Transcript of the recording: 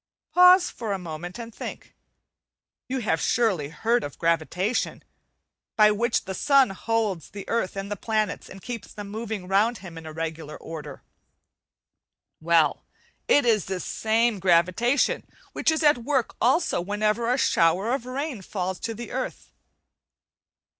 Pause for a moment and think. You have surely heard of gravitation, by which the sun holds the earth and the planets, and keeps them moving round him in regular order? Well, it is this same gravitation which is a t work also whenever a shower of rain falls to the earth.